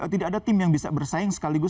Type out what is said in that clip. tidak ada tim yang bisa bersaing sekali lagi